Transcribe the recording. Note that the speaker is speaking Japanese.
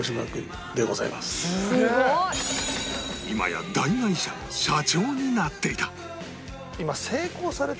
今や大会社の社長になっていた！